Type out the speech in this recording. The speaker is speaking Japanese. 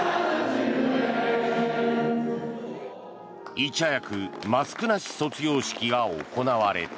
いち早くマスクなし卒業式が行われた。